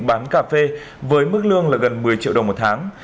bán cà phê với mức lương gần một mươi triệu đồng một tháng